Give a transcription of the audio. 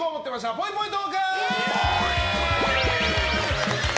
ぽいぽいトーク！